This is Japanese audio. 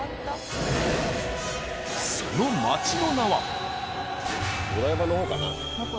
その街の名は。